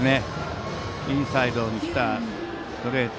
インサイドにきたストレート。